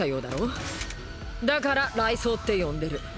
だから「雷槍」って呼んでる。